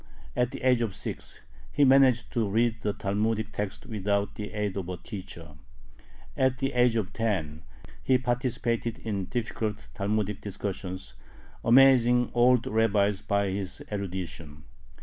At the age of six he managed to read the Talmudic text without the aid of a teacher. At the age of ten he participated in difficult Talmudic discussions, amazing old rabbis by his erudition.